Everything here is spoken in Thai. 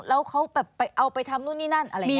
แล้วเขาแบบไปเอาไปทำนู่นนี่นั่นอะไรอย่างนี้